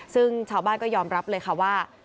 ซึ่งชาวบ้านก็ยอมรับเลยค่ะว่า